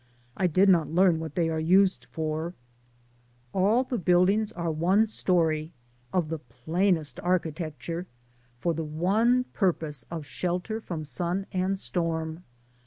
I did not learn what they are used for. All the buildings are one story, of the plainest architecture, for the one purpose of shelter from sun and storm.